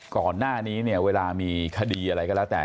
ก่อนหน้านี้เนี่ยเวลามีคดีอะไรก็แล้วแต่